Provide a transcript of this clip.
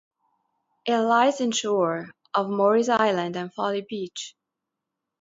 It lies inshore of Morris Island and Folly Beach.